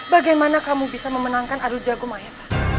bagaimana kamu bisa memenangkan aduh jago maesah